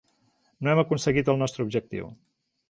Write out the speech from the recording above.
No hem aconseguit el nostre objectiu.